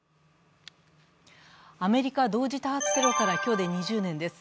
アメリカ同時多発テロから今日で２０年です。